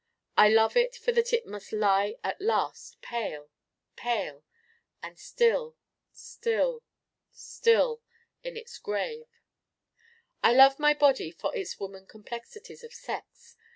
I love it for that it must lie at last pale, pale and still still still in its grave. I love my Body for its woman complexities of sex.